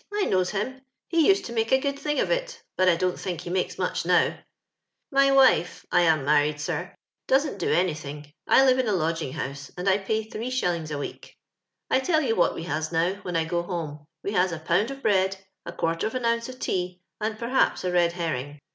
I knowi him ; he need to make a good diing of it, bat I don't think he makee rnneh now. Hy wife — I am macned, air'^doeent do anyUung. IUveinalodging hoiiae, andIiMij Uiree ahillingfl a week. "* I tell you what we haa, now, when I go home. We has a pound of bread, a qnartor of an ounoe of tea, and pech^ts a red herring.